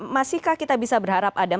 masihkah kita bisa berharap ada